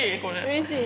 うれしい。